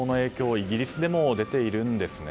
イギリスでも出ているんですね。